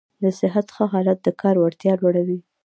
د صحت ښه حالت د کار وړتیا لوړوي.